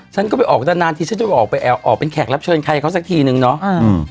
ฉันก็ไปออกนานนานทีฉันจะออกไปแอบออกเป็นแขกรับเชิญใครเขาสักทีนึงเนาะ